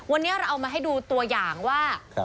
วันนี้เราเอามาให้ดูตัวอย่างว่า